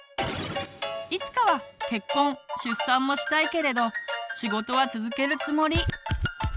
いつかは結婚・出産もしたいけれど仕事は続けるつもり。